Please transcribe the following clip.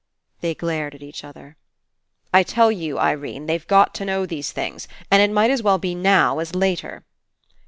They glared at each other. "I tell you, Irene, they've got to know these things, and it might as well be now as later."